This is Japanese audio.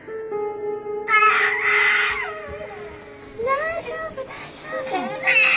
・大丈夫大丈夫。